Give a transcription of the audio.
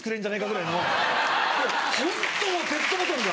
ホントもうペットボトルが。